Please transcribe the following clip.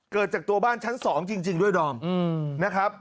เกิดจากตัวบ้านชั้นสองจริงจริงด้วยดอมอืมนะครับ